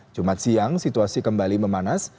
jumat siang situasi kembali memanas